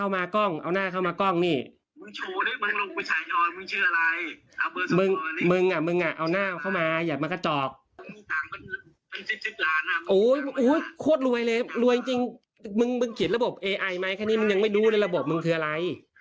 มันก็ทำอะไรก็ได้แล้ว